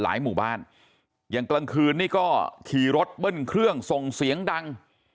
หมู่บ้านอย่างกลางคืนนี่ก็ขี่รถเบิ้ลเครื่องส่งเสียงดัง